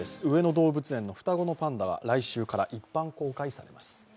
上野動物園の双子のパンダが来週から一般公開されます。